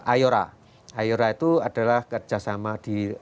ayora ayora itu adalah kerjasama di